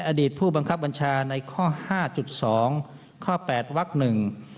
และอดีตผู้บังคับบัญชาในข้อ๕๒ข้อ๘วักหนึ่ง